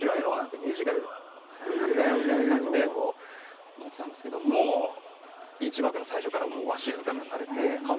ミュージカルなんだよみたいな感じで思ってたんですけどもう１幕の最初からわしづかみされて。